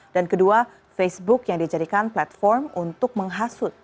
dan kedua facebook yang dijadikan platform untuk menghasut